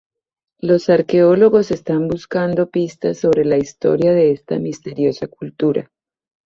Los arqueólogos están buscando pistas sobre la historia de esta misteriosa cultura.